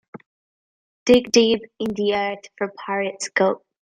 Dig deep in the earth for pirate's gold.